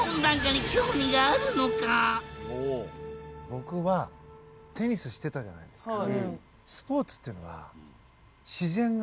僕はテニスしてたじゃないですか。